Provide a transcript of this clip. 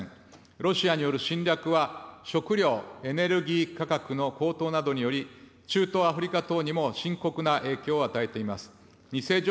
ロシアによる侵略は、食料・エネルギー価格の高騰などにより、中東・アフリカ等にも深刻な影響を与えています。